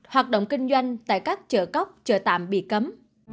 hoạt động kinh doanh tại các chợ cóc chợ tạm bị cấm